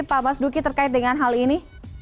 pak mas duki terkait dengan hal ini